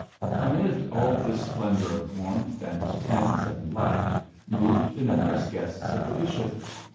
Amid all this splendour of warmth and tints and light moved the numerous guests of the bishop.